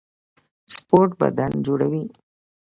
سپورټ بدن جوړوي